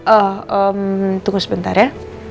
oh ehm tunggu sebentar ya